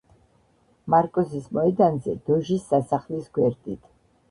მარკოზის მოედანზე, დოჟის სასახლის გვერდით.